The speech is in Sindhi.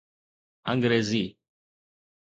انگريزي